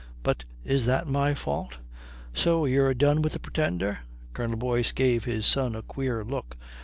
But is that my fault?" "So you're done with the Pretender?" Colonel Boyce gave his son a queer look.